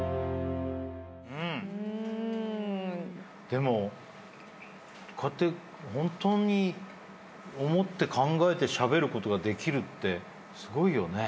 でもこうやって本当に思って考えてしゃべることができるってすごいよね。